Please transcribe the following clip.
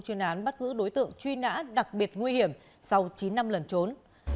chuyên án bắt giữ đối tượng truy nã đặc biệt nguy hiểm sau chín năm lần trốn